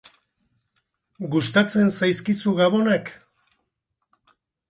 Gustatzen zaizkizu Gabonak?